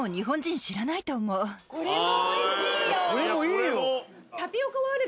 これもいいよ！